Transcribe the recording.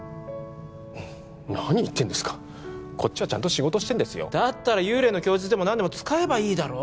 何言ってんですかこっちはちゃんと仕事してんですよだったら幽霊の供述でも何でも使えばいいだろう